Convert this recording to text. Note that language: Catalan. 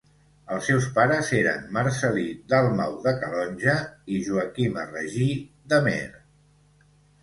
Els seus pares eren Marcel·lí Dalmau, de Calonge, i Joaquima Regí, d'Amer.